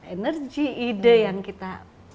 energi ide yang kita